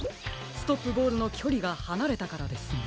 ストップボールのきょりがはなれたからですね。